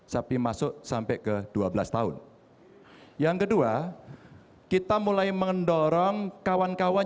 sapi masuk sampai ke dua belas tahun yang kedua kita mulai mendorong kawan kawan